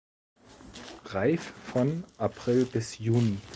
Reif von April bis Juni.